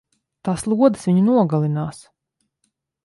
Tās lodes viņu nogalinās!